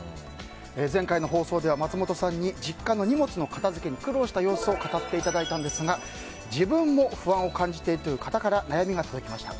前回の放送では松本さんに実家の荷物の片づけに苦労した経験を語っていただいたんですが自分も不安を感じているという方から悩みが届きました。